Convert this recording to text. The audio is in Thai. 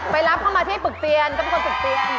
ไปรับเข้ามาที่ให้ปรึกเตียนก็ไปทำปรึกเตียน